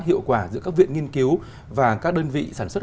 hiệu quả giữa các viện nghiên cứu và các đơn vị sản xuất